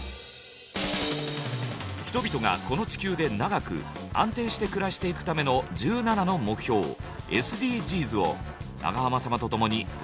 人々がこの地球で長く安定して暮らしていくための１７の目標ＳＤＧｓを長濱様とともに笑って学んでいきましょう。